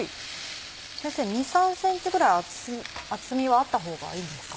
先生２３ｃｍぐらい厚みはあった方がいいですか？